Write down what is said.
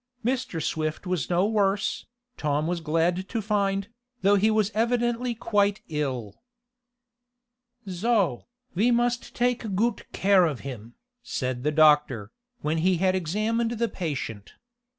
Mr. Swift was no worse, Tom was glad to find, though he was evidently quite ill. "So, ve must take goot care of him," said the doctor, when he had examined the patient.